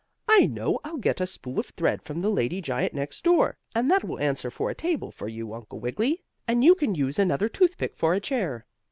"I know, I'll get a spool of thread from the lady giant next door, and that will answer for a table for you, Uncle Wiggily, and you can use another toothpick for a chair."